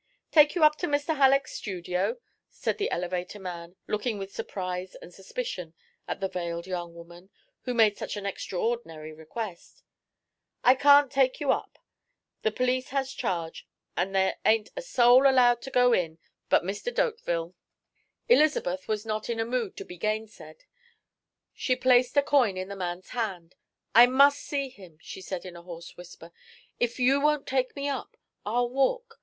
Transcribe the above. "Take you up to Mr. Halleck's studio?" said the elevator man, looking with surprise and suspicion at this veiled young woman, who made such an extraordinary request. "I can't take you up. The police has charge, and there ain't a soul allowed to go in but Mr. D'Hauteville." Elizabeth was not in a mood to be gainsaid. She placed a coin in the man's hand. "I must see him," she said, in a hoarse whisper. "If you won't take me up, I'll walk.